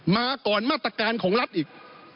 มาก่อนมาตรการของรัฐอีก